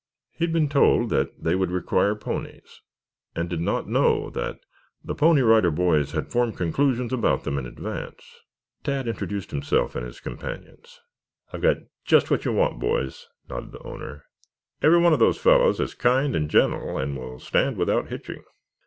He had been told that they would require ponies and did not know that the Pony Rider Boys had formed conclusions about them in advance. Tad introduced himself and his companions. "I've got just what you want, boys," nodded the owner. "Every one of those fellows is kind and gentle and will stand without hitching."